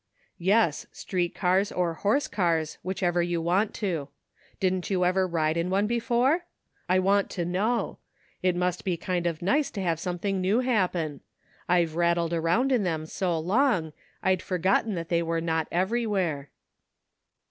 "Yes, street cars or horse cars, whichever you want to. Didn't you ever ride in one before ? I want to know! It must be kind of nice to have something new happen. I've rattled around in them so long I'd forgotten they were not everywhere."